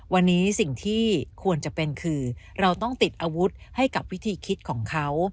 วันนี้สิ่งที่ควรจะเป็นคือเราต้องติดอาวุธให้กับวิธีคิดของเขา